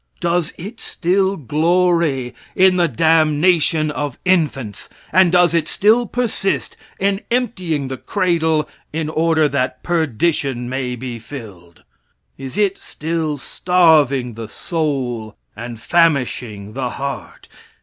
Does it still glory in the damnation of infants, and does it still persist in emptying the cradle in order that perdition may be filled? Is it still starving the soul and famishing the heart?